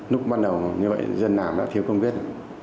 lúc ban đầu như vậy dân nào đã thiếu công viết